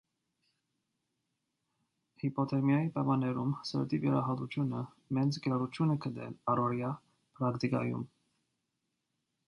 Հիպոթերմիայի պայմաններում սրտի վիրահատությունը մեծ կիրառություն է գտել առօրյա պրակտիկայում։